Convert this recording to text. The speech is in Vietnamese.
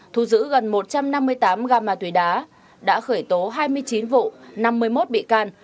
thu giữ gần một trăm năm mươi tám gam ma túy đá đã khởi tố hai mươi chín vụ năm mươi một bị can